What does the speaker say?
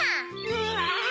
うわ！